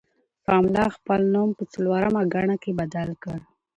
پملا خپل نوم په څلورمه ګڼه کې بدل کړ.